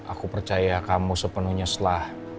aku percaya kamu sepenuhnya setelah